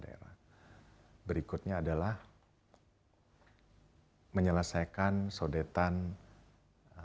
di mana nanti ada keterlibatan pemirah daerah juga turut serta apa yang harus dilakukan oleh pemirah daerah